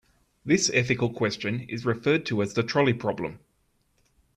This ethical question is referred to as the trolley problem.